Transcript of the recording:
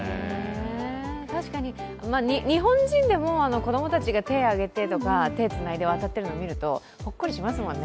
確かに日本人でも子どもたちが手を上げてとか手をつないで渡っているのを見るとほっこりしますもんね。